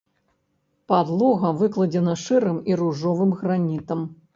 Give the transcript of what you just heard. Падлога выкладзена шэрым і ружовым гранітам.